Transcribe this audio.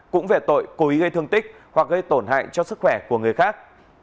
cũng về tội cố ý gây thương tích hoặc gây tổn hại cho sức khỏe của người khác